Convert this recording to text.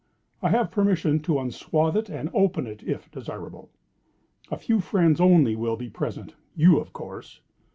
I have permission to unswathe it and open it, if desirable. A few friends only will be present—you, of course.